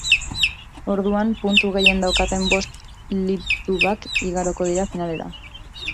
Orduan, puntu gehien daukaten bost lipdubak igaroko dira finalera.